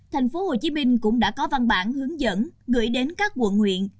tp hcm cũng đã có văn bản hướng dẫn gửi đến các quận huyện